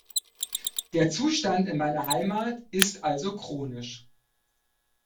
Der Zustand in meiner Heimat ist also chronisch.